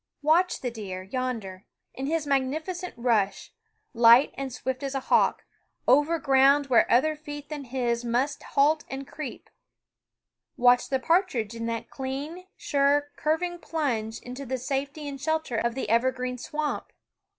Watch the deer, yonder, in his magnificent rush, light and THE WOODS swift as a hawk, over ground where other feet than his must halt and creep ; watch the partridge in that clean, sure, curving plunge into the safety and shelter of the evergreen swamp.